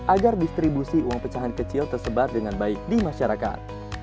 agar distribusi uang pecahan kecil tersebar dengan baik di masyarakat